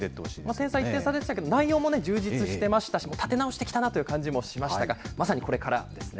点差１点差でしたけど、内容も充実してましたし、立て直してきたなという感じもしましたが、まさにこれからですね。